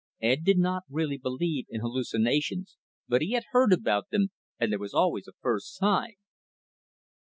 Ed did not really believe in hallucinations, but he had heard about them, and there was always a first time.